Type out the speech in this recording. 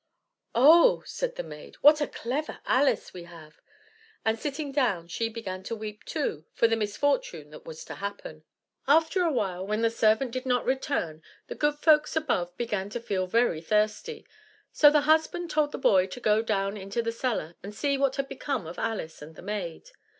"Oh," said the maid, "what a clever Alice we have!" And, sitting down, she began to weep, too, for the misfortune that was to happen. After a while, when the servant did not return, the good folks above began to feel very thirsty; so the husband told the boy to go down into the cellar, and see what had become of Alice and the maid.